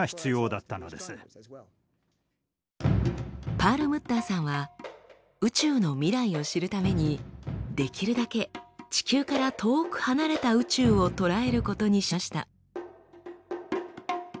パールムッターさんは宇宙の未来を知るためにできるだけ地球から遠く離れた宇宙を捉えることにしました。